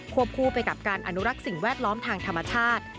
คู่ไปกับการอนุรักษ์สิ่งแวดล้อมทางธรรมชาติ